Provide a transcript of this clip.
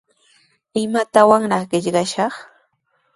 ¿Imatrawraq qillqashaq?